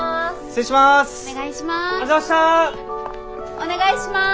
お願いします。